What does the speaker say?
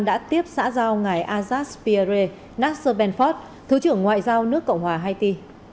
đã tiếp xã giao ngài azad spirey nasser benford thứ trưởng ngoại giao nước cộng hòa haiti